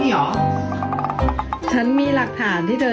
หลักฐานนี้หลักฐานญี่ปุ่น